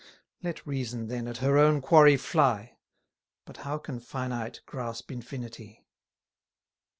Let reason, then, at her own quarry fly, But how can finite grasp infinity?